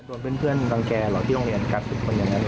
โดนเพื่อนดังแก่หรอที่โรงเรียนกับคนอย่างนั้นหรอ